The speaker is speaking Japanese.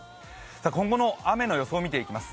今後の雨の予報を見ていきます。